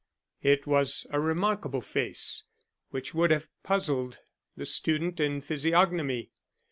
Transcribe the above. It was a remarkable face which would have puzzled the student in physiognomy.